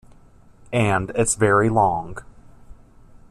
And it's very long.